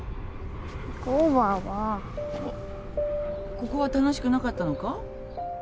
ここは楽しくなかったのか？